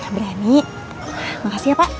berani makasih ya pak